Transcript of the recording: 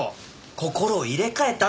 心を入れ替えたって。